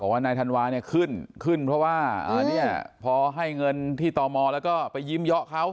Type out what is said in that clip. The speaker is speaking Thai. ว่านายธันวาเนี่ยขึ้นขึ้นเพราะว่าเนี่ยพอให้เงินที่ตมแล้วก็ไปยิ้มเยาะเขา